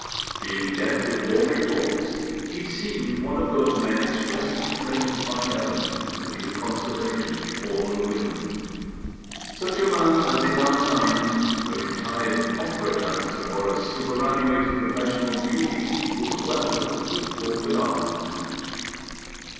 Being deaf to all reports, he seemed one of those men expressly framed by heaven to be the consolation of fallen women; such a man as in our times a retired opera dancer or a superannuated professional beauty would welcome with open arms.